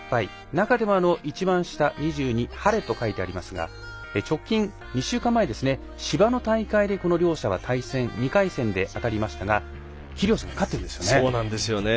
中でも、２２ハレと書いてありますが直近、２週間前ですが芝の大会で両者は対戦、２回戦で当たりましたがキリオスが勝っているんですよね。